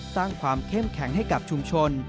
สร้างความเข้มแข็งให้กับชุมชน